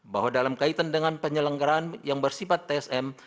bahwa dalam kaitan dengan penyelenggaraan yang bersifat tsm